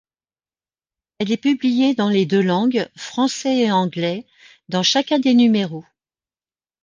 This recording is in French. Elle est publiée dans les deux langues, français et anglais, dans chacun des numéros.